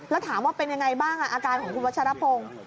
แล้วถามว่าเป็นยังไงบ้างอาการของคุณวัชรพงศ์